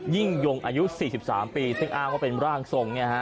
ยิ่งยงอายุ๔๓ปีซึ่งอ้างว่าเป็นร่างทรง